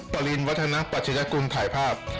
ปริญญาวัฒนประชัยกรุงถ่ายภาพ